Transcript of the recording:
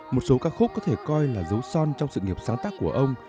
một số ca khúc có thể coi là dấu son trong sự nghiệp sáng tác của ông